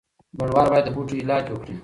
بڼوال باید د بوټو علاج وکړي.